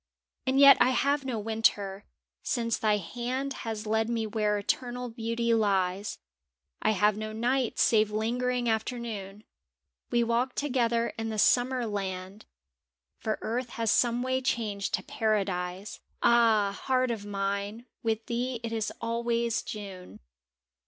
And yet I have no Winter, since thy hand Has led me where eternal beauty lies, I have no night save lingering afternoon ; We walk together in the Summer land, For earth has someway changed to Paradise — Ah, Heart of Mine, with thee 't is always June!